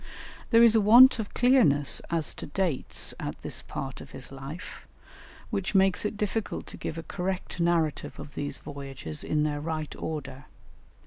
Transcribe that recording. There is a want of clearness as to dates at this part of his life, which makes it difficult to give a correct narrative of these voyages in their right order.